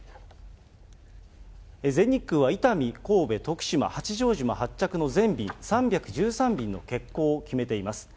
全日空は伊丹、神戸、徳島、八丈島発着の全便、３１３便の欠航を決めています。